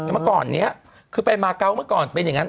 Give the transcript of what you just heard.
เมื่อก่อนนี้คือไปมาเกาะเมื่อก่อนเป็นอย่างนั้น